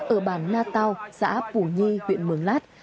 ở bàn na tàu xã phủ nhi huyện mường lát